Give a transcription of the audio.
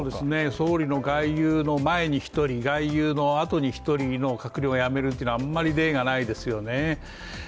総理の外遊の前に１人、外遊のあとに１人の閣僚が辞めるというのはあまり例がないですよね。